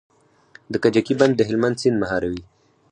د کجکي بند د هلمند سیند مهاروي